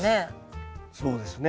そうですね。